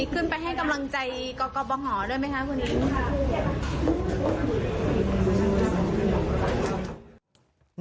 ใจกรอบบางหอด้วยไหมคะคุณอิ๊ง